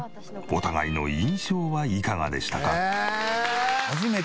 お互いの印象はいかがでしたか？